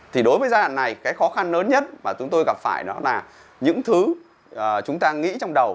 thì đối với giai đoạn này cái khó khăn lớn nhất mà chúng tôi gặp phải đó là những thứ chúng ta nghĩ trong đầu